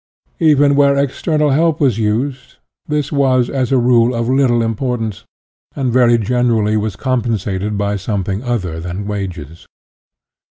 Even where external help was used, this was, as a rule, of little importance, and very generally was compensated by some thing other than wages.